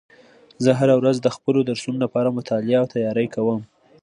زه هره ورځ د خپلو درسونو لپاره مطالعه او تیاری کوم